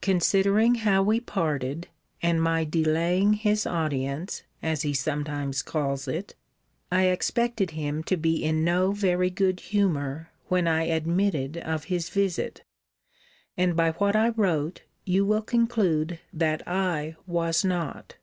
Considering how we parted, and my delaying his audience, as he sometimes calls it, I expected him to be in no very good humour, when I admitted of his visit; and by what I wrote, you will conclude that I was not.